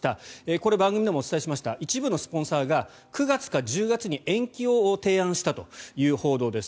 これは番組でもお伝えしました一部のスポンサーが９月か１０月に延期を提案したという報道です。